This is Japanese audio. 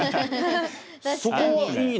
そこはいいの？